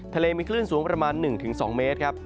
ทะเลมีคลื่นสูงประมาณ๑๒เมตรครับ